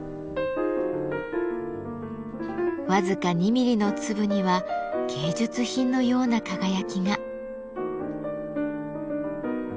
僅か２ミリの粒には芸術品のような輝きが。